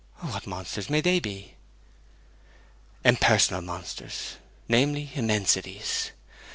'What monsters may they be?' 'Impersonal monsters, namely, Immensities.